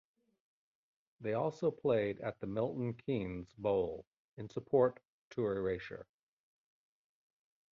They also played at the Milton Keynes Bowl in support to Erasure.